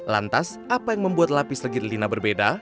lantas apa yang membuat lapis legit lina berbeda